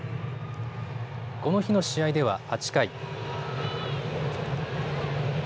この日の試合では８回。